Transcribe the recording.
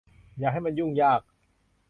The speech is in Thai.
อย่าให้มันยุ่งยาก